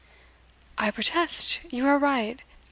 "I protest you are right!